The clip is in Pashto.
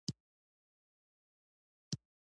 مرهټیانو غوښتل شجاع الدوله د ځان طرفدار کړي.